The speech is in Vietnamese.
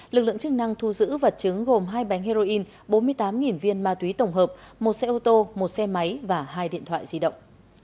lực lượng chức năng thu giữ vật chứng gồm hai bánh heroin bốn mươi tám viên ma túy tổng hợp một xe ô tô một xe máy và hai điện thoại di động